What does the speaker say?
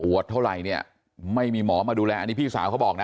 เท่าไหร่เนี่ยไม่มีหมอมาดูแลอันนี้พี่สาวเขาบอกนะ